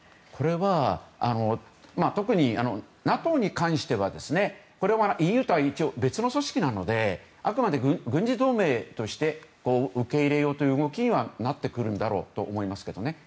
これは特にＮＡＴＯに関してはＥＵとは一応、別の組織なのであくまで軍事同盟として受け入れようという動きになってくるんだろうと思いますけど。